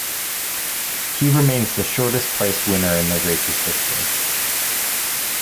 He remains the shortest-priced winner in the race's history.